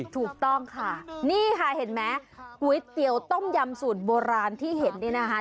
ถูกต้องค่ะนี่ค่ะเห็นไหมก๋วยเตี๋ยวต้มยำสูตรโบราณที่เห็นเนี่ยนะคะ